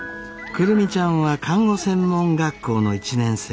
久留美ちゃんは看護専門学校の１年生。